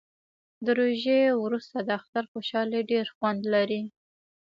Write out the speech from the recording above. د روژې وروسته د اختر خوشحالي ډیر خوند لري